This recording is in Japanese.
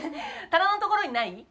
棚のところにない？